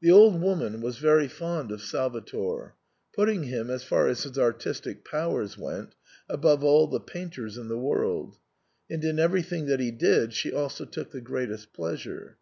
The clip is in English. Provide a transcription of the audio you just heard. The old woman was very fond of Salvator, putting him, as far as his artistic powers went, above all the painters in the world ; and in everything that he did she also took the greatest pleasure.